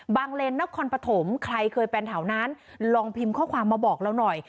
เลนนครปฐมใครเคยเป็นแถวนั้นลองพิมพ์ข้อความมาบอกเราหน่อย